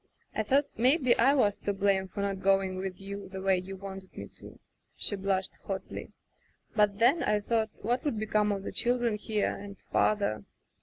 I thought maybe I was to blame for not going with you, the way you wanted me to/' she blushed hotly, "but then, I thought, what would become of the children here, and father